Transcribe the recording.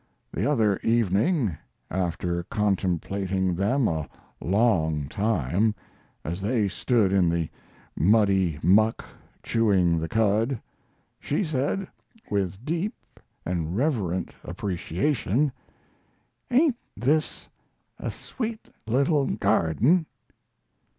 The other evening, after contemplating them a long time, as they stood in the muddy muck chewing the cud, she said, with deep and reverent appreciation, "Ain't this a sweet little garden?"